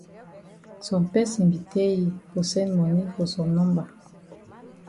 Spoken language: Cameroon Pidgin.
Some person be tell yi for send moni for some number.